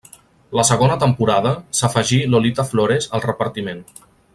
La segona temporada, s'afegí Lolita Flores al repartiment.